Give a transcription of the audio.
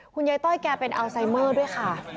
ยายต้อยแกเป็นอัลไซเมอร์ด้วยค่ะ